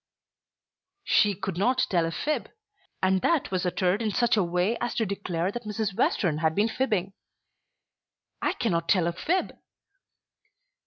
She could not tell a fib! And that was uttered in such a way as to declare that Mrs. Western had been fibbing. I cannot tell a fib!